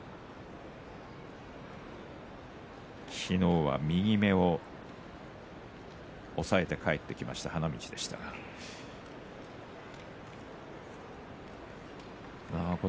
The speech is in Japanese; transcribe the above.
昨日は右目を押さえて帰ってきました花道でした、炎鵬です。